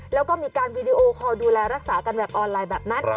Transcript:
แล้วก็มีการวีดีโอคอลดูแลรักษากันแบบออนไลน์แบบนั้น